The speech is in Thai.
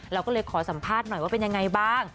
เราก็เลยขอสัมภาษณ์หน่อยว่าเป็นยังไงบ้าง